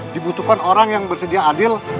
dibutuhkan orang yang bersedia adil